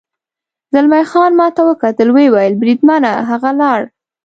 زلمی خان ما ته وکتل، ویې ویل: بریدمنه، هغه ولاړ.